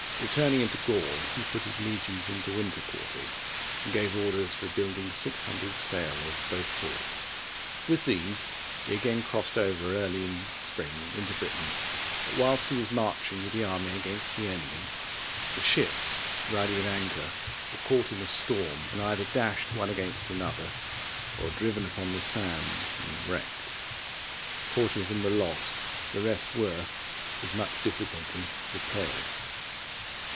Returning into Gaul, he put his legions into winter quarters, and gave orders for building six hundred sail of both sorts. With these he again crossed over early in spring into Britain, but, whilst he was marching with the army against the enemy, the ships, riding at anchor, were caught in a storm and either dashed one against another, or driven upon the sands and wrecked. Forty of them were lost, the rest were, with much difficulty, repaired.